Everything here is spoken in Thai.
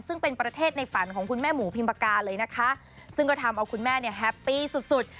ซึ่งเป็นประเทศในฝันของคุณแม่หมูพิมปากาเลยนะคะซึ่งก็ทำเอาคุณแม่เนี่ยแฮปปี้สุดสุด